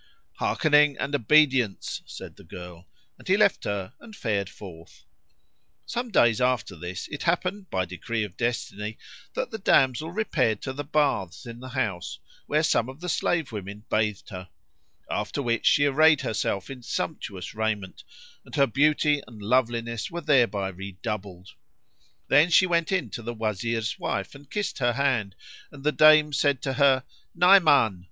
"Hearkening and obedience," said the girl; and he left her and fared forth. Some days after this it happened by decree of Destiny, that the damsel repaired to the baths in the house, where some of the slave women bathed her; after which she arrayed herself in sumptuous raiment; and her beauty and loveliness were thereby redoubled. Then she went in to the Wazir's wife and kissed her hand; and the dame said to her, "Naiman!